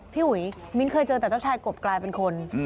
พี่อุ๋ยมิ้นเคยเจอแต่เจ้าชายกบกลายเป็นคน